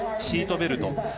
シートベルト。